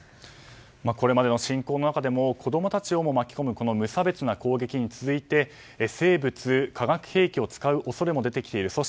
これまでの侵攻の中でも子供たちをも巻き込む無差別な攻撃に続いて生物・化学兵器を使う恐れも出てきている。